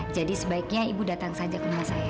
jadi sebaiknya ibu datang saja ke rumah saya